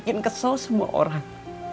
bikin kesel semua orang